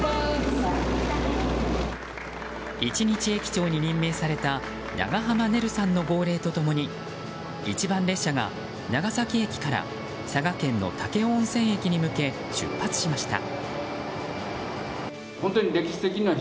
１日駅長に任命された長濱ねるさんの号令と共に一番列車が長崎駅から佐賀県の武雄温泉駅に向け出発しました。